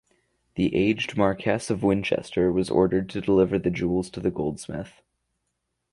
The aged Marquess of Winchester was ordered to deliver the jewels to the goldsmith.